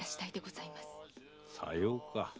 さようか。